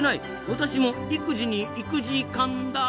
私も育児に行く時間だ！